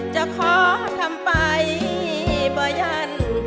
จะขอทำไปบ่ยัน